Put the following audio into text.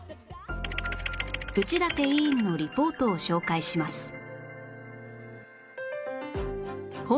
内館委員のリポートを紹介します